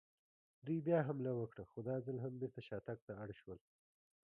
دوی بیا حمله وکړه، خو دا ځل هم بېرته شاتګ ته اړ شول.